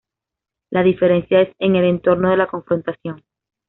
La diferencia es en el entorno de la confrontación.